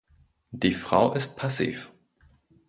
Die Frau ist passiv.